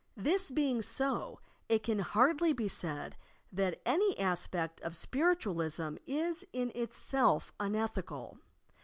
This being so, it can hardly be said that any aspect of Spiritualism is in itself unethical.